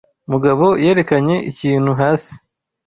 Mugabo yerekanye ikintu hasi.